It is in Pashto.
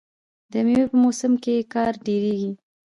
د میوو په موسم کې کار ډیریږي.